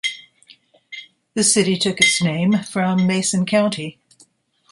The city took its name from Mason County.